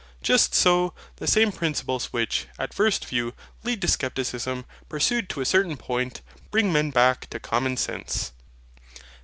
just so, the same Principles which, at first view, lead to Scepticism, pursued to a certain point, bring men back to Common Sense.